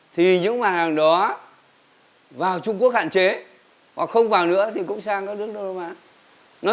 thì hoa quả nhập khẩu vào việt nam cũng sẽ ngày càng lớn